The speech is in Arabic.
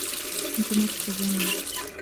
أنتما تحرجانني.